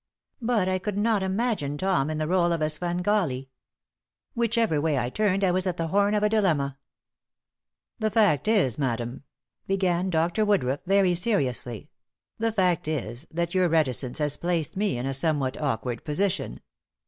But I could not imagine Tom in the role of a Svengali. Whichever way I turned I was at the horn of a dilemma. "The fact is, madam," began Dr. Woodruff, very seriously, "the fact is that your reticence has placed me in a somewhat awkward position.